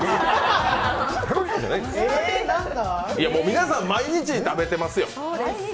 皆さん、毎日食べてますよ。